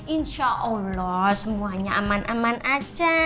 insya allah semuanya aman aman aja